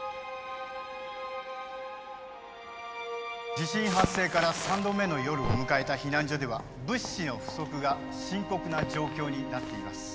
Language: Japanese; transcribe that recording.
地震発生から３度目の夜を迎えた避難所では物資の不足が深刻な状況になっています。